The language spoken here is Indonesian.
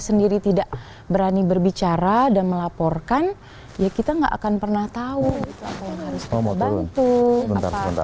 sendiri tidak berani berbicara dan melaporkan ya kita nggak akan pernah tahu itu harus bantu